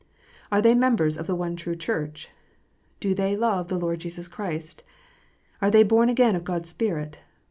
Are they members of the one true Church 1 Do they love the Lord Jesus Christ ? Are they born again of God s Spirit?